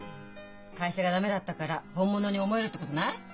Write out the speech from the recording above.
会社が駄目だったから本物に思えるってことない？